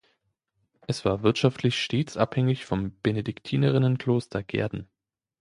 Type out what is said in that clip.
Es war wirtschaftlich stets abhängig vom Benediktinerinnenkloster Gehrden.